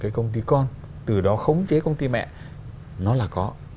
cái công ty con từ đó khống chế công ty mẹ nó là có